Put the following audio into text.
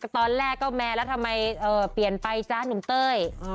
ตอนแรกก็แมวแล้วทำไมเปลี่ยนไปจ๊ะหนุ่มเต้ย